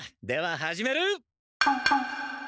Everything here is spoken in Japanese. では始める。